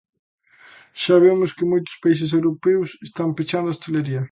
Xa vemos que moitos países europeos están pechando a hostalería.